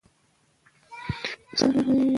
هر کتاب د علم خزانه ده.